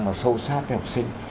mà sâu sát với học sinh